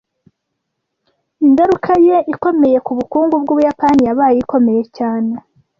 Ingaruka yen ikomeye ku bukungu bwUbuyapani yabaye ikomeye cyane.